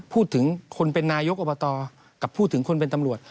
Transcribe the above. พูดถึงคนเป็นนายกอบตกับพูดถึงคนเป็นตำรวจ